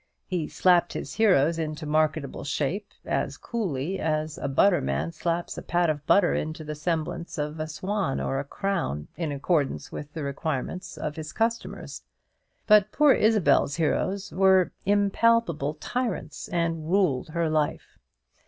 He slapped his heroes into marketable shape as coolly as a butterman slaps a pat of butter into the semblance of a swan or a crown, in accordance with the requirements of his customers. But poor Isabel's heroes were impalpable tyrants, and ruled her life.